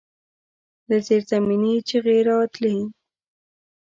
له زيرزمينې چيغې راتلې.